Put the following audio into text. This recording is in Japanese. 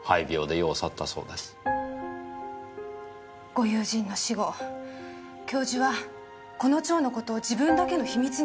ご友人の死後教授はこの蝶のことを自分だけの秘密にしていました。